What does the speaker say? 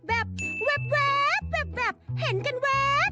แหวบแหวบเห็นกันแหวบ